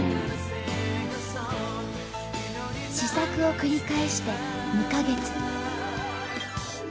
試作を繰り返して２か月。